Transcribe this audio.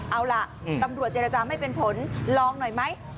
เอาล่ะตำรวจเจรจาไม่เป็นผลลองหน่อยไหม